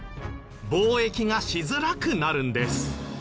貿易がしづらくなるんです。